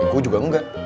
gue juga enggak